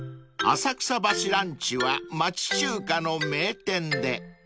［浅草橋ランチは町中華の名店で］